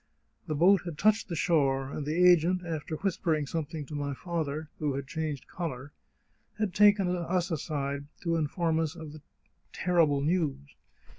The boat had touched the shore, and the agent, after whispering some thing to my father, who had changed colour, had taken us aside to inform us of the terrible news.